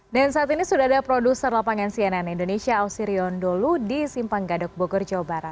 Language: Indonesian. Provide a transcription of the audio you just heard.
dan saat ini sudah ada produser lapangan cnn indonesia ausirion dholu di simpang gadok bogor jawa barat